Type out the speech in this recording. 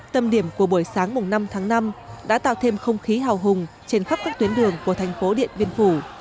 tâm điểm của buổi sáng năm tháng năm đã tạo thêm không khí hào hùng trên khắp các tuyến đường của thành phố điện biên phủ